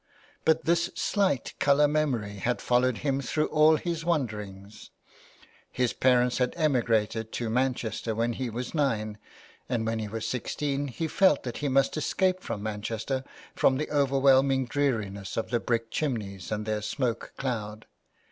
But this slight colour memory had followed him through all his wanderings. His parents had emigrated to Man chester when he was nine, and when he was sixteen he felt that he must escape from Manchester, from the overwhelming dreariness of the brick chimneys and their smoke cloud.